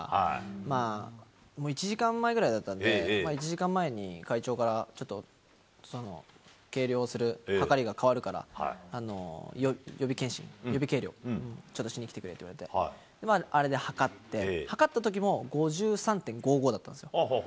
まあ、１時間前ぐらいだったんで、１時間前に会長から、ちょっと計量するはかりが変わるから、予備検針、予備計量、ちょっとしに来てくれって言われて、あれで量って、量ったときも５３．５５だったんですよ。